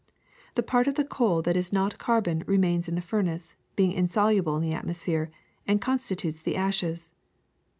The part of the coal that is not carbon remains in the furnace, being insoluble in the atmosphere, and constitutes the ashes.